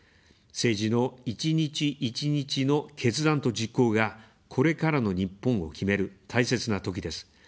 政治の一日一日の決断と実行が、これからの日本を決める、大切なときです。